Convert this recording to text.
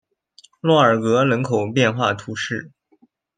洛尔格人口变化图示